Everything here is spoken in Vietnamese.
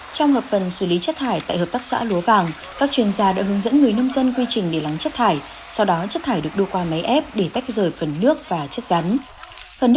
trong hợp phần xử lý chất thải tại hợp tác xã lúa vàng các chuyên gia đã hướng dẫn người nông dân quy trình để lắng chất thải sau đó chất thải được đua qua máy ép để tách rời phần nước và chất rắn